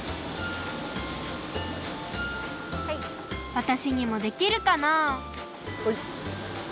わたしにもできるかな？